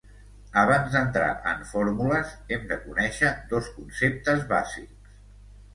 Abans d’entrar en fórmules hem de conèixer dos conceptes bàsics.